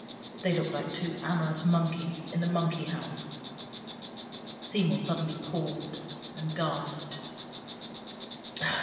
They looked like two amorous monkeys in the monkey house." Seymour suddenly paused and gasped.